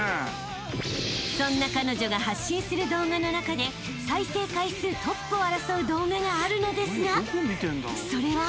［そんな彼女が発信する動画の中で再生回数トップを争う動画があるのですがそれは］